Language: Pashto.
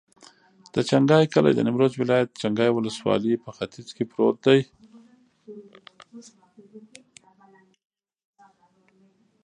د چنګای کلی د نیمروز ولایت، چنګای ولسوالي په ختیځ کې پروت دی.